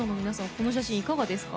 この写真、いかがですか？